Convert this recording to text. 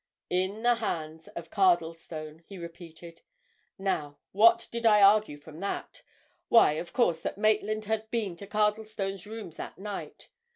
"In the hands of Cardlestone," he repeated. "Now, what did I argue from that? Why, of course, that Maitland had been to Cardlestone's rooms that night.